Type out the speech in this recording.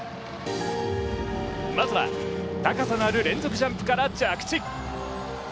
まずは高さのある連続ジャンプから着地。